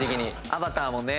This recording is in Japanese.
『アバター』もね